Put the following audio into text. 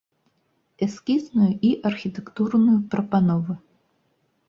Эскізную і архітэктурную прапановы.